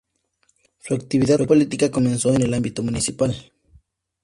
Su actividad política comenzó en el ámbito municipal.